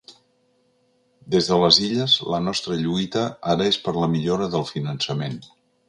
Des de les Illes, la nostra lluita ara és per la millora del finançament.